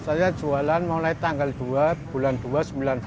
saya jualan mulai tanggal dua bulan dua seribu sembilan ratus tujuh puluh delapan